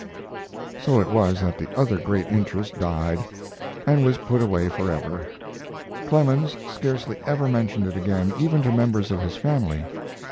So it was that the other great interest died and was put away forever. Clemens scarcely ever mentioned it again, even to members of his family.